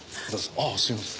ああすみません。